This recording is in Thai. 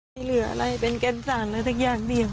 ไม่เหลืออะไรเป็นแก้นสั่นเลยทั้งอย่างเดียว